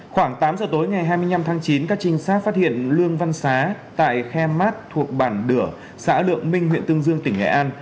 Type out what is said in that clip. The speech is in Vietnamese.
khoảng tám giờ tối ngày hai mươi năm tháng chín các trinh sát phát hiện lương văn xá tại khe mát thuộc bản đửa xã lượng minh huyện tương dương tỉnh nghệ an